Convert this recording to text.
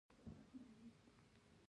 ژبه د دوستۍ پُل جوړوي